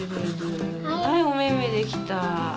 はいおめめできた。